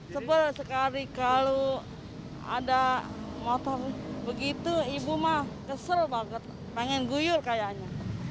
sebel sekali kalau ada motor begitu ibu mah kesel banget pengen guyur kayaknya